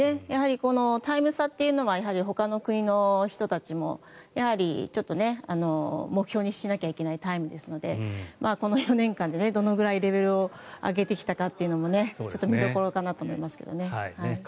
やはりタイム差というのはほかの国の人たちもちょっと目標にしなきゃいけないタイムですのでこの４年間でどのくらいレベルを上げてきたかも見どころかなと思いますけどね。